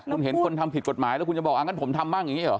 คุณเห็นคนทำผิดกฎหมายแล้วคุณจะบอกงั้นผมทำบ้างอย่างนี้เหรอ